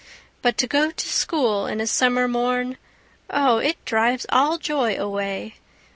But to go to school in a summer morn,— O it drives all joy away!